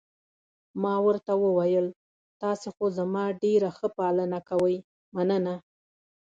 ما ورته وویل: تاسي خو زما ډېره ښه پالنه کوئ، مننه.